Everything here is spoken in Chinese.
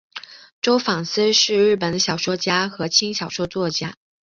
周防司是日本的小说家和轻小说作家。